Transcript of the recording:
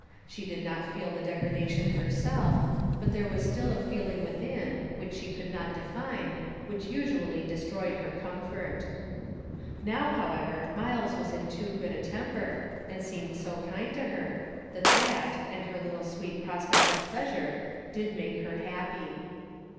She did not feel the degradation herself, but there was still a feeling within, which she could not define, which usually destroyed her comfort. Now, however, Myles was in so good a temper, and seemed so kind to her, that that, and her little prospect of pleasure, did make her happy.